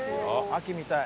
秋見たい。